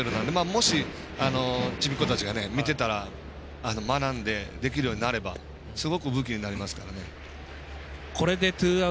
もしちびっ子たちが見てたら学んでできるようになればすごく武器になりますから。